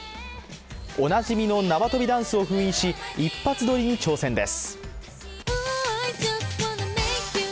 おなじみの縄跳びダンスを封印し一発撮りに挑戦です。